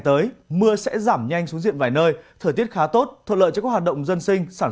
tới mưa sẽ giảm nhanh xuống diện vài nơi thời tiết khá tốt thuận lợi cho các hoạt động dân sinh sản